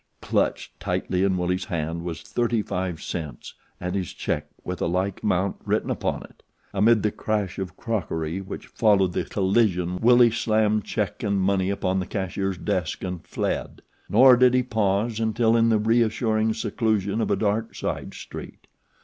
Clutched tightly in Willie's hand was thirty five cents and his check with a like amount written upon it. Amid the crash of crockery which followed the collision Willie slammed check and money upon the cashier's desk and fled. Nor did he pause until in the reassuring seclusion of a dark side street.